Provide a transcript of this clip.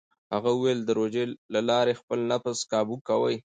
هغه وویل چې د روژې له لارې خپل نفس کابو کوي.